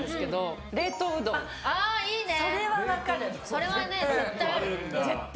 それはね、絶対ある。